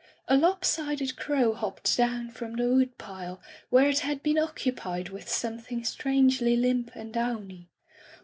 A lop sided crow hopped down from the wood pile, where it had been occupied with something strangely limp and downy.